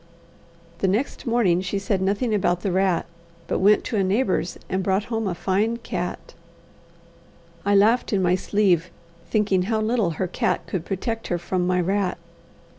The next morning she said nothing about the rat, but went to a neighbour's and brought home a fine cat. I laughed in my sleeve, thinking how little her cat could protect her from my rat.